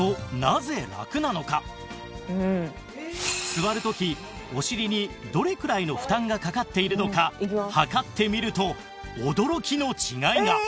座る時お尻にどれくらいの負担がかかっているのか測ってみると驚きの違いが